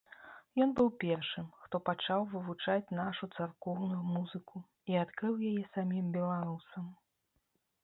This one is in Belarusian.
Ён быў першым, хто пачаў вывучаць нашу царкоўную музыку і адкрыў яе самім беларусам.